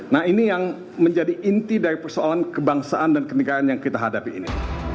nah ini yang menjadi inti dari persoalan kebangsaan dan kenegaraan yang kita hadapi ini